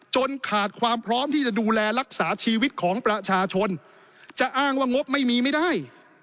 ขาดความพร้อมที่จะดูแลรักษาชีวิตของประชาชนจะอ้างว่างบไม่มีไม่ได้